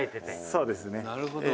「そうですねはい」